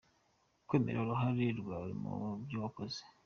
Kwemera uruhare rwawe mu byo wakoze.